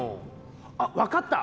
あ分かった！